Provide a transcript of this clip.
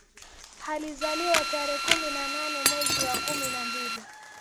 Alizaliwa tarehe kumi na nane mwezi wa kumi na mbili